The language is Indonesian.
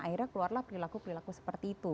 akhirnya keluarlah perilaku perilaku seperti itu